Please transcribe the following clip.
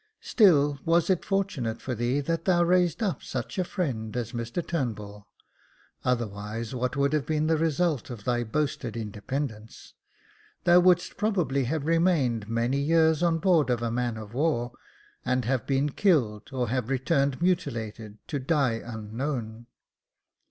Still, was it fortunate for thee that thou hadst raised up such a friend as Mr Turnbull j otherwise what would have been the result of thy boasted independ ence ? Thou wouldst probably have remained many years on board of a man of war, and have been killed, or have returned mutilated, to die unknown."